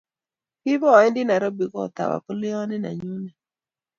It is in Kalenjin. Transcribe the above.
Kipoendi Nairobi kot ab abuleyanit nenyunet